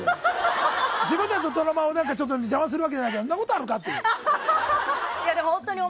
自分たちのドラマを邪魔するわけじゃないけどそんなことあるかって。